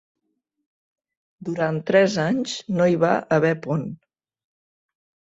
Durant tres anys no hi va haver pont.